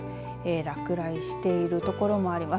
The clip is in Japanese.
落雷しているところもあります。